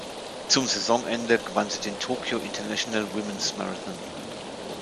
Zum Saisonende gewann sie den Tokyo International Women's Marathon.